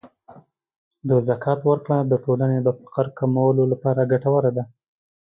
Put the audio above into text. د زکات ورکړه د ټولنې د فقر کمولو لپاره ګټوره ده.